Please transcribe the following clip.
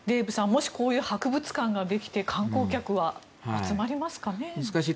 もしこういう博物館ができたら観光客は集まりますかね？